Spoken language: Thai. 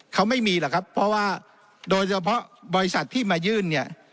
เขาไม่มีหรอกครับเพราะว่าโดยเฉพาะบริษัทที่มายื่นเนี่ย